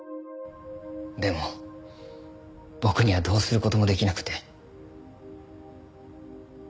でも僕にはどうする事もできなくて。